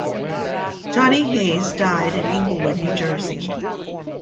Johnny Hayes died in Englewood, New Jersey.